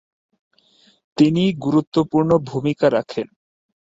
তিনি গুরুত্বপূ্র্ণ ভূমিকা রাখেন।